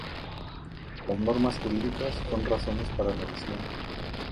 Las normas jurídicas son razones para la acción.